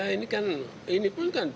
iya ketemu pak kiai di sana